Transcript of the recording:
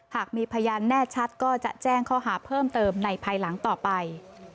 หากมีพยานแน่ชัดก็จะแจ้งข้อหาเพิ่มเติมในภายหลังต่อไป